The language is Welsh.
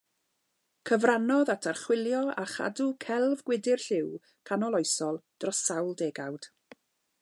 Cyfrannodd at archwilio a chadw celf gwydr lliw canoloesol dros sawl degawd.